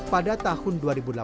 pada tahun dua ribu delapan belas